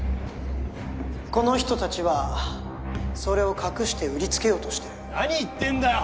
この人達はそれを隠して売りつけようとしてる何言ってんだよ